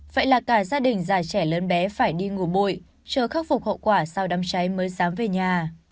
vậy là cả gia đình già trẻ lớn bé phải đi ngủ bụi chờ khắc phục hậu quả sau đám trái mới dám về nhà